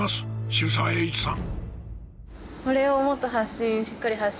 渋沢栄一さん！